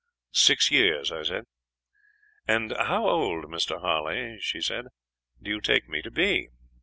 "'Six years,' I said. "'And how old, Mr. Harley,' she said, 'do you take me to be?'